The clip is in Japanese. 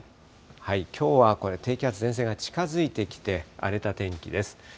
きょうはこれ、低気圧、前線が近づいてきて、荒れた天気です。